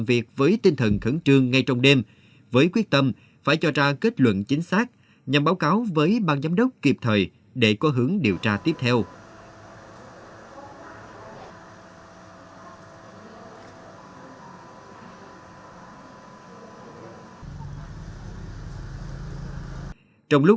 việc tìm kiếm gặp rất nhiều khó khăn